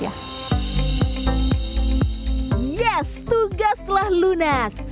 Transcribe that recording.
yes tugas telah lunas